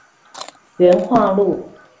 元化路